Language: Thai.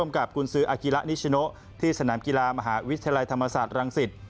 กับกุญซืออากิระนิชโนที่สนามกีฬามหาวิทยาลัยธรรมศาสตร์รังสิต